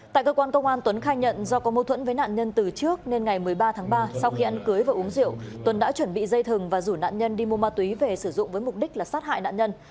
tuần đã chuẩn bị dây thừng và rủ nạn nhân đi mua ma túy về sử dụng với mục đích là sát hại nạn nhân